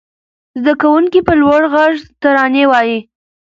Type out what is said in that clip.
زده کوونکي په لوړ غږ ترانې وايي.